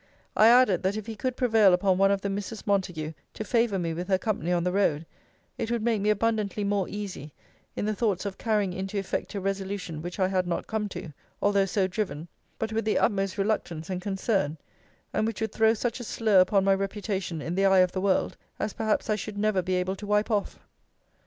I added, that if he could prevail upon one of the Misses Montague to favour me with her company on the road, it would make me abundantly more easy in the thoughts of carrying into effect a resolution which I had not come to, although so driven, but with the utmost reluctance and concern; and which would throw such a slur upon my reputation in the eye of the world, as perhaps I should never be able to wipe off.'